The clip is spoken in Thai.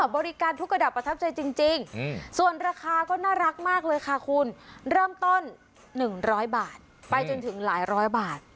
บริการทุกระดับประทับใจจริงส่วนราคาก็น่ารักมากเลยค่ะคุณเริ่มต้น๑๐๐บาทไปจนถึงหลายร้อยบาท